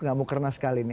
enggak mukernas sekali ini